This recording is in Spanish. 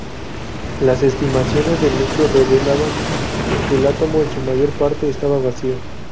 Las estimaciones del núcleo revelaban que el átomo en su mayor parte estaba vacío.